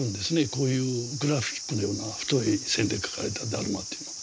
こういうグラフィックのような太い線で描かれたダルマっていうのは。